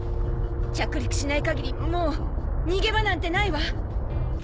着陸しないかぎりもう逃げ場なんてないわ！